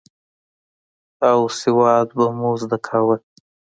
او سواد به مو زده کاوه.